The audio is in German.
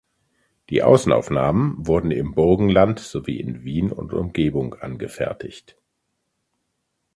Die Außenaufnahmen wurden im Burgenland sowie in Wien und Umgebung angefertigt.